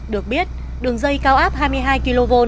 được biết đường dây cao áp hai mươi hai kv